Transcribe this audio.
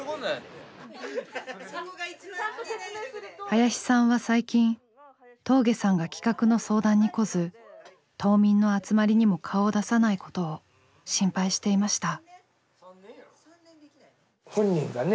林さんは最近峠さんが企画の相談に来ず島民の集まりにも顔を出さないことを心配していました。